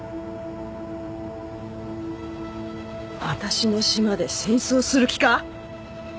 私のシマで戦争する気か？